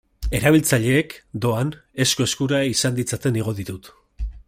Erabiltzaileek, doan, esku-eskura izan ditzaten igo ditut.